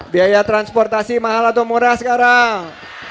biaya transportasi mahal atau murah sekarang